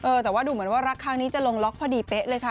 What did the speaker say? แต่ว่าดูเหมือนว่ารักครั้งนี้จะลงล็อกพอดีเป๊ะเลยค่ะ